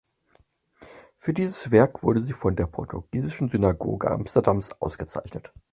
Für dieses Werk wurde sie von der Portugiesischen Synagoge Amsterdams ausgezeichnet.